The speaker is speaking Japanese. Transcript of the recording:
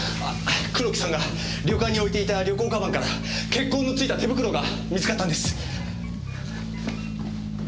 黒木さんが旅館に置いていた旅行鞄から血痕のついた手袋が見つかったんです。